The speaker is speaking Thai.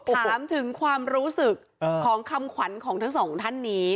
ถามถึงความรู้สึกของคำขวัญของทั้งสองท่านนี้